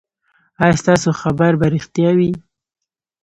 ایا ستاسو خبر به ریښتیا وي؟